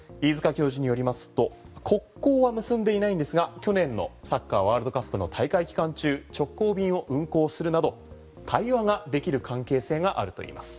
教授によりますと国交は結んでいないんですが去年のサッカーワールドカップの大会期間中直行便を運航するなど対話ができる関係性があるといいます。